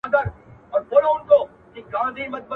لېوه خره ته کړلې سپیني خپلي داړي !.